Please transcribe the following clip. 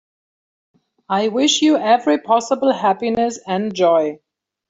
I wish you every possible happiness and joy.